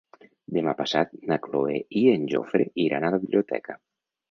Demà passat na Cloè i en Jofre iran a la biblioteca.